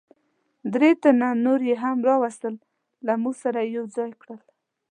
درې تنه نور یې هم را وستل، له موږ سره یې یو ځای کړل.